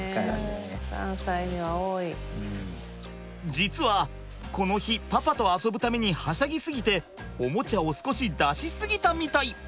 実はこの日パパと遊ぶためにはしゃぎすぎておもちゃを少し出し過ぎたみたい！